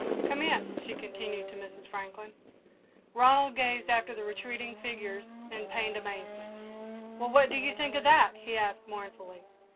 Come in," she continued, to Mrs. Franklin. Ronald gazed after the retreating figures in pained amazement. "Well, what do you think of that?" he asked mournfully.